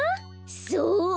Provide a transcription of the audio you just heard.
そう！